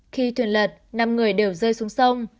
khi thuyền lật năm người đều rơi xuống sông